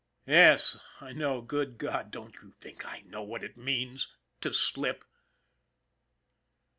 Yes, I know, good God, don't you think I know what it means to slip?